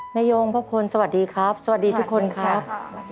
ยงพ่อพลสวัสดีครับสวัสดีทุกคนครับ